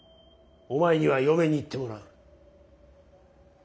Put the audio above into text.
お前には嫁に行ってもらう。